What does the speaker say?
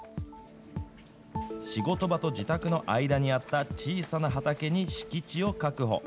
仕事場と自宅の間にあった小さな畑に敷地を確保。